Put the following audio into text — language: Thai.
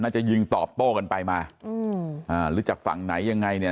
น่าจะยิงต่อโป้กันไปมาหรือจากฝั่งไหนยังไง